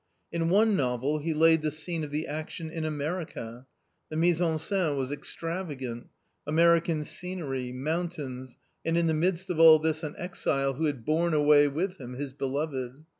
^ In one novel he laid the scene of the action in America ; the mise en scene was extravagant; American scenery, mountains, and in the midst of all this an exile who had borne away with him his beloved.